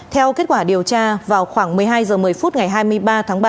theo kết quả điều tra vào khoảng một mươi hai h một mươi phút ngày hai mươi ba tháng ba